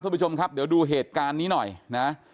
ผู้ชมครับเดี๋ยวดูเหตุการณ์นี้หน่อยนะ